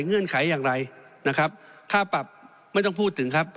เงื่อนไขอย่างไรนะครับค่าปรับไม่ต้องพูดถึงครับ